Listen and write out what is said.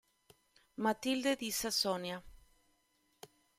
Matilde di Sassonia